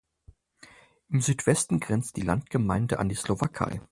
Im Südwesten grenzt die Landgemeinde an die Slowakei.